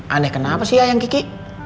aneh kenapa sih ayang kiki